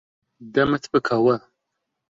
دەمت بکەوە.